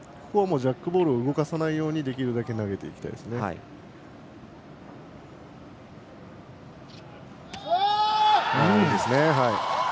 ジャックボールを動かさないように投げていきたいですね。